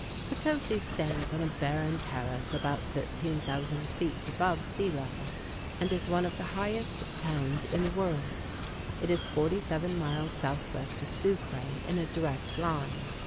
Potosí stands on a barren terrace about 13,000 feet above sea level, and is one of the highest towns in the world. It is 47 miles southwest of Sucre in a direct line.